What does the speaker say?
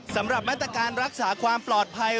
สำหรับมาตรการรักษาความปลอดภัย